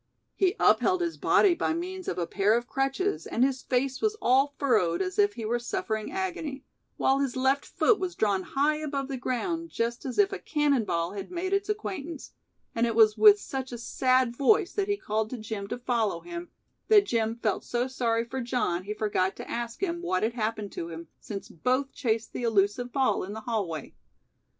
He upheld his body by means of a pair of crutches and his face was all furrowed as if he were suffering agony, while his left foot was drawn high above the ground just as if a cannon ball had made its acquaintance, and it was with such a sad voice that he called to Jim to follow him, that Jim felt so sorry for John he forgot to ask him what had happened to him since both chased the elusive ball in the hallway.